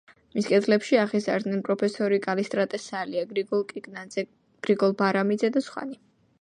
მის კედლებში აღიზარდნენ პროფესორი კალისტრატე სალია, გრიგოლ კიკნაძე, გრიგოლ ბარამიძე და სხვანი.